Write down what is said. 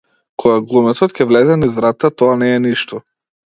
Кога глумецот ќе влезе низ врата, тоа не е ништо.